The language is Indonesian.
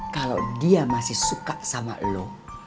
kalau dia masih suka sama lo